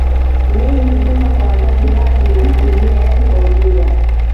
mengi kutoka kwa wazazi wake na familia yake kwa ujumla